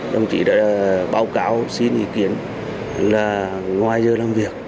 đồng chí đã báo cáo xin ý kiến là ngoài giờ làm việc